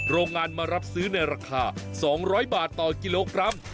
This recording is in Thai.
โรงงานมารับซื้อในราคา๒๐๐บาทต่อกิโลกรัม